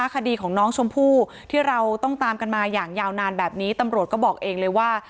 คดีของน้องชมพู่ที่เราต้องตามกันมาอย่างยาวนานแบบนี้ตำรวจก็บอกเองเลยว่า